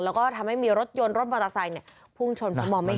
แล้วก็ทำให้มีรถยนต์รถมอเตอร์ไซค์พุ่งชนเพราะมองไม่เห็น